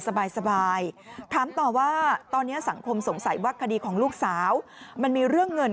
สบายถามต่อว่าตอนนี้สังคมสงสัยว่าคดีของลูกสาวมันมีเรื่องเงิน